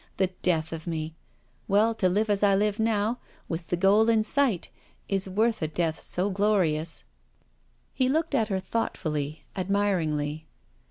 The death of me I Well, to live as I live now, with the goal in sight, is worth a death so glorious 1" He looked at her thoughtfully, admiringly.